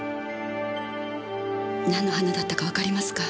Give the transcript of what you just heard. なんの花だったかわかりますか？